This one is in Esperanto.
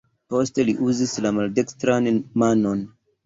Poste li uzis nur la maldekstran manon.